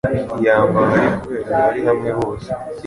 yangwa ahari kubera bari hamwe bose